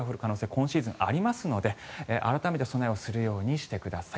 今シーズンはありますので改めて備えをするようにしてください。